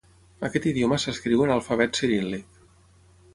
Aquest idioma s'escriu en alfabet ciríl·lic.